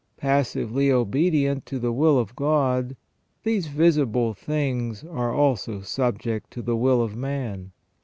Passively obedient to the will of God, these visible things are also subject to the will of man.